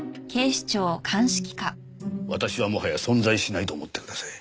私はもはや存在しないと思ってください。